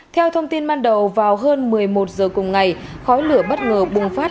theo thông tin ban đầu vào hơn một mươi một giờ cùng ngày khói lửa bất ngờ bùng phát